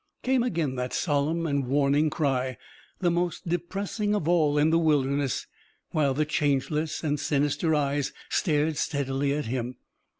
Came again that solemn and warning cry, the most depressing of all in the wilderness, while the changeless and sinister eyes stared steadily at him.